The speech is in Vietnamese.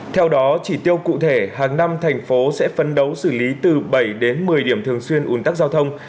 theo đó chỉ tiêu cụ thể hàng năm thành phố sẽ phấn đấu xử lý từ bảy đến một mươi điểm thường xuyên un tắc giao thông